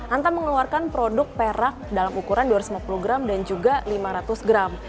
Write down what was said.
antam mengeluarkan produk perak dalam ukuran dua ratus lima puluh gram dan juga lima ratus gram